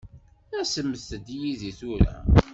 Asemt-d yid-i tura.